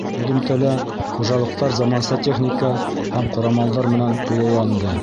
Һөҙөмтәлә хужалыҡтар заманса техника һәм ҡорамалдар менән тулыланды.